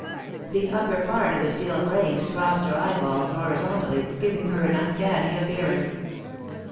The upper part of the steel frames crossed her eyeballs horizontally, giving her an uncanny appearance.